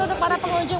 untuk para pengunjung